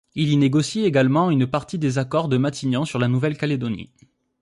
Il y négocie également une partie des accords de Matignon sur la Nouvelle-Calédonie.